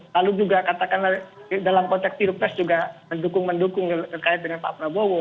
lalu juga katakanlah dalam konteks pilpres juga mendukung mendukung terkait dengan pak prabowo